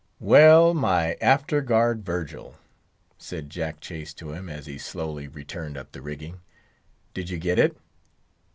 "Well, my after guard Virgil," said Jack Chase to him, as he slowly returned up the rigging, "did you get it?